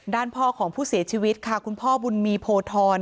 ด้านพ่อของผู้เสียชีวิตค่ะคุณพ่อบุญมีโพธร